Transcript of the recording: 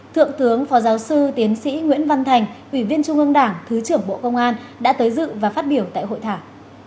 thượng tướng phó giáo sư tiến sĩ nguyễn văn thành ủy viên trung ương đảng thứ trưởng bộ công an đã tới dự và phát biểu tại hội thảo